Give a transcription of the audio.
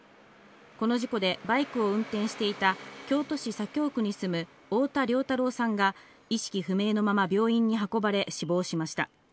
この事故でバイクを運転していた京都市左京区に住む太田亮太郎さんが意識不明のまま病院に運ばれ死亡しました。